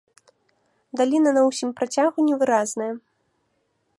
Даліна на ўсім працягу невыразная.